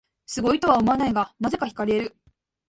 すごいとは思わないが、なぜか惹かれる